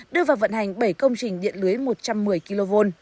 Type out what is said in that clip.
đưa vào vận hành bảy công trình điện lưới một trăm một mươi kv